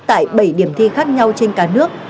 tại bảy điểm thi khác nhau trên cả nước